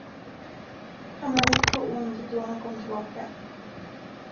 Han var mycket ond, då han kom tillbaka.